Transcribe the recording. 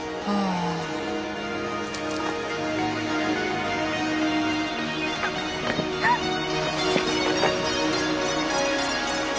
あっ！